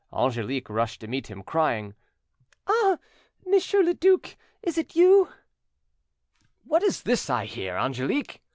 Angelique rushed to meet him, crying— "Ah! Monsieur le duc, is it you?" "What is this I hear, Angelique?"